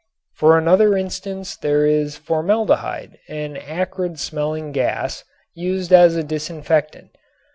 For another instance there is formaldehyde, an acrid smelling gas, used as a disinfectant.